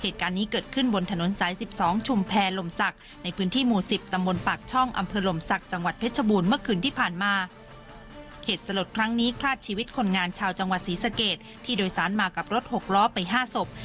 ที่ผ่านมาเหตุสลดครั้งนี้คลาดชีวิตคนงานชาวจังหวัดศรีสเกตที่โดยสารมากับรถหกล้อไปห้าศพ